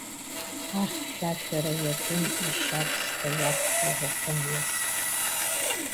Ахьшәашәара иаҿын ашьабсҭа иақәшәаз ахымҩас.